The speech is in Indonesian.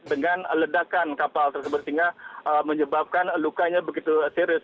dengan ledakan kapal tersebut sehingga menyebabkan lukanya begitu serius